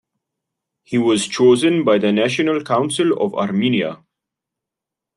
He was chosen by the National Council of Armenia.